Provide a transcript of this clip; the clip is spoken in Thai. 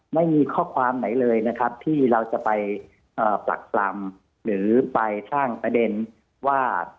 ไม่มีข้อความไหนเลยนะครับที่เราจะไปปรักปรำหรือไปสร้างประเด็นว่า